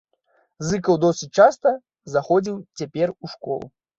Зыкаў досыць часта заходзіў цяпер у школу.